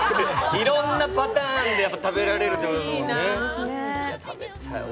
いろんなパターンで食べられるということですもんね。